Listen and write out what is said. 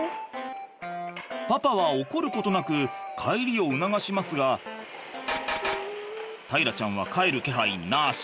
パパは怒ることなく帰りを促しますが大樂ちゃんは帰る気配なし。